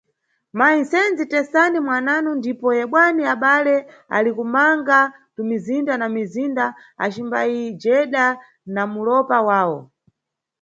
Mayi msenzi, tesani mwananu, ndipo yebwani, abale ali kumanga tumizinda na mizinda acimbayijeda na mulopa wawo.